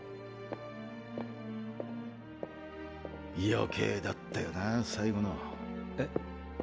余計だったよな最後の。え？